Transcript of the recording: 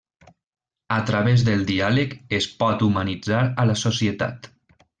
A través del diàleg es pot humanitzar a la societat.